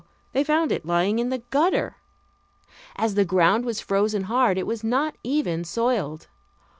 they found it lying in the gutter. As the ground was frozen hard it was not even soiled.